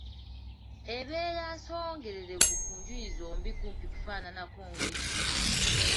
Ebeera nsongererevu ku njuyi zombi kumpi kufaananako ng'eggi.